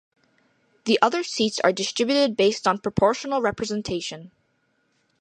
The other seats are distributed based on proportional representation.